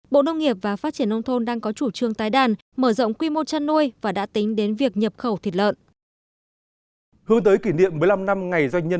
bộ nông nghiệp và phát triển nông thôn đang có chủ trương tái đàn mở rộng quy mô chăn nuôi và đã tính đến việc nhập khẩu thịt lợn